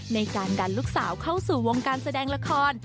ในการดันลูกสาวเข้าสู่วงการแสดงละคร